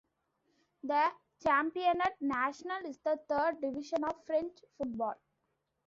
The Championnat National is the third division of French football.